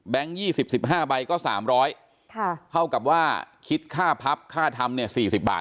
๒๐๑๕ใบก็๓๐๐เท่ากับว่าคิดค่าพับค่าทำเนี่ย๔๐บาท